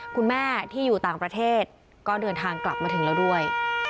คุณแม่ที่อยู่ต่างประเทศก็เดินทางกลับมาถึงแล้วด้วย